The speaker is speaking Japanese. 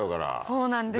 そうなんですよ。